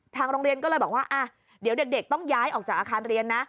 ทางโรงเรียนก็เลยบอกว่าเดี๋ยวเด็กต้องย้ายออกจากอาคารเรียนนะ